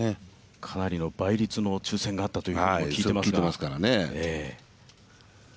かなりの倍率の抽選があったと聞いていますから。